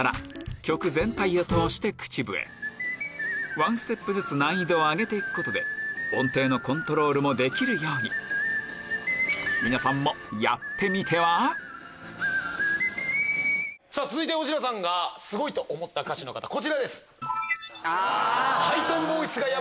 ワンステップずつ難易度を上げていくことで音程のコントロールもできるように続いておしらさんがすごいと思った歌手こちらです。